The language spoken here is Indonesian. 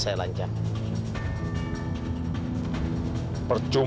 kita yakin buruk ini belum